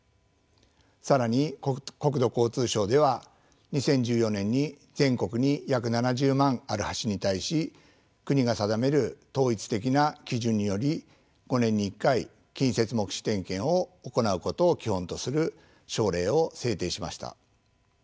更に国土交通省では２０１４年に全国に約７０万ある橋に対し国が定める統一的な基準により５年に１回近接目視点検を行うことを基本とする省令を制定しました。